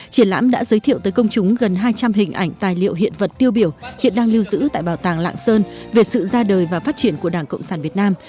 triển lãm đã giới thiệu tới công chúng gần hai trăm linh hình ảnh tài liệu hiện vật tiêu biểu hiện đang lưu giữ tại bảo tàng lạng sơn về sự ra đời và phát triển của đảng cộng sản việt nam